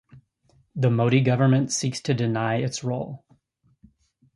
The Modi government seeks to deny its role.